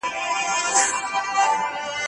په چا د مینې امتحان وي